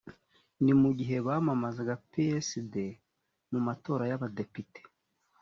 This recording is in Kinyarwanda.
mu gihe bamamazaga psd mu matora y’abadepite